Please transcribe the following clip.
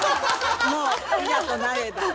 もういざとなれば。